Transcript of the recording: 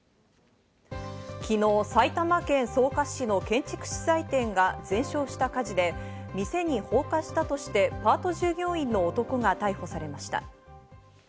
昨日、埼玉県草加市の建築資材店が全焼した火事で、店に放火したとして、パート従業員の男が逮捕されました。